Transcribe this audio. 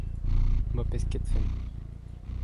ma pesketfen.